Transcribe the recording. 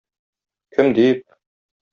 Кем дип...